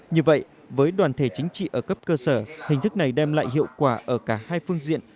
như vậy với đoàn thể chính trị ở cấp cơ sở hình thức này đem lại hiệu quả ở cả hai phương diện